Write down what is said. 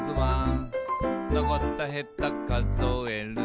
「のこったへたかぞえるとわかる」